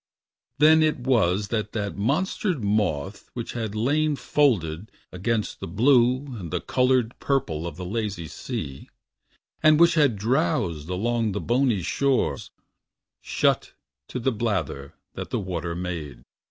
Then it was that that monstered moth Which had lain folded against the blue And the colored purple of the lazy sea. And which had drowsed along the bony shores. Shut to the blather that the water made.